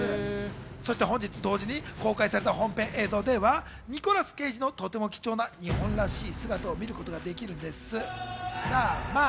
そして本日同時に公開された本編映像ではニコラス・ケイジのとても貴重な日本らしい姿を見ることができるんです。